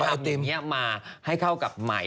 เขาก็ทำอย่างเงี้ยมาให้เข้ากับใหม่